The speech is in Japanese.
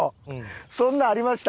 そんなんありました？